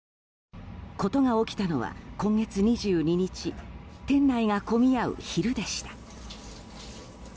ことが起きたのは今月２２日店内が混み合う昼でした。